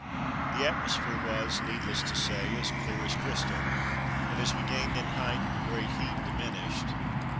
The atmosphere was, needless to say, as clear as crystal, and as we gained in height the great heat diminished.